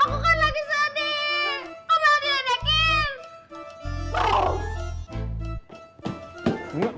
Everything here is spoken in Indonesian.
kamu mau diredekin